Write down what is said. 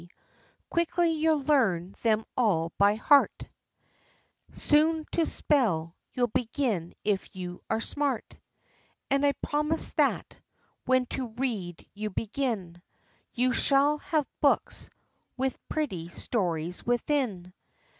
Quickly you'll learn them all by heart; Soon to spell you'll begin if you are smart; And I promise that, when to read you begin, You shall have books with pretty stories within."